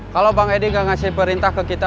kalau bang edi gak ngasih perintah ke kita